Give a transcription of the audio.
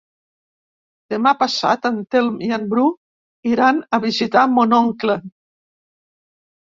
Demà passat en Telm i en Bru iran a visitar mon oncle.